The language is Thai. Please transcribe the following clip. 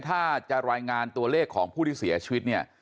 ถ้าจะรายงานตัวเลขของผู้ที่เสียชีวิตเนี่ย